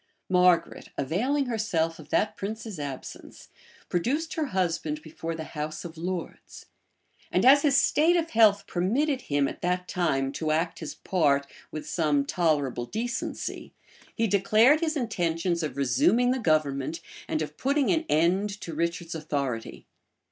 Margaret, availing herself of that prince's absence, produced her husband before the house of lords; and as his state of health permitted him at that time to act his part with some tolerable decency, he declared his intentions of resuming the government, and of putting an end to Richard's authority.